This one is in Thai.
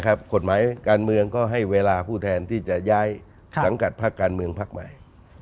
กฎหมายการเมืองก็ให้เวลาผู้แทนที่จะย้ายสังกัดพักการเมืองพักใหม่